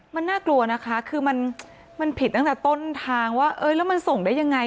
มันน่ากลัวนะคะคือมันผิดตั้งแต่ต้นทางว่าแล้วมันส่งได้ยังไง